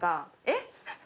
えっ？